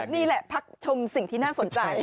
นี่แหละพักชมสิ่งที่น่าสนใจ